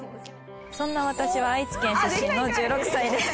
「そんな私は愛知県出身の１６歳です」